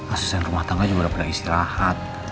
asisten rumah tangga juga udah pernah istirahat